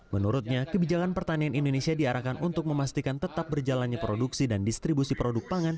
menurutnya kebijakan pertanian indonesia diarahkan untuk memastikan tetap berjalannya produksi dan distribusi produk pangan